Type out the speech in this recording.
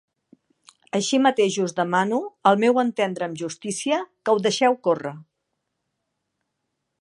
Així mateix us demano, al meu entendre amb justícia, que ho deixeu córrer.